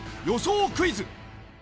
予想クイズ。